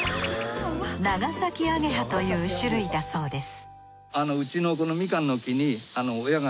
ナガサキアゲハという種類だそうです